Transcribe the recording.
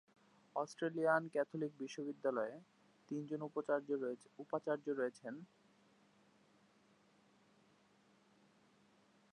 Australian Catholic বিশ্ববিদ্যালয়ে, তিনজন উপ-উপাচার্য রয়েছেন, প্রত্যেকে একাডেমিক বিষয়গুলির একটি অঞ্চল এবং একটি আঞ্চলিক অঞ্চল উভয়ের জন্য দায়বদ্ধ।